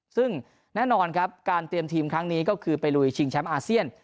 ซึ่งแน่นอนครับการเตรียมทีมครั้งนี้ก็คือไปลุยชิงแชมป์อาเซียน